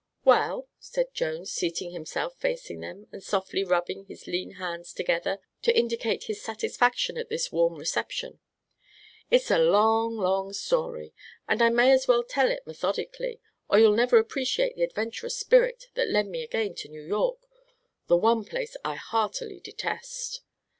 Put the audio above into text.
"Well," said Jones, seating himself facing them and softly rubbing his lean hands together to indicate his satisfaction at this warm reception, "it's a long, long story and I may as well tell it methodically or you'll never appreciate the adventurous spirit that led me again to New York the one place I heartily detest."